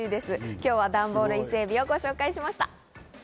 今日はダンボール伊勢エビをご紹介しました。